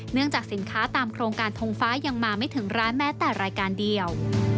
จากสินค้าตามโครงการทงฟ้ายังมาไม่ถึงร้านแม้แต่รายการเดียว